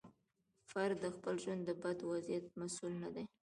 فرد د خپل ژوند د بد وضعیت مسوول نه دی.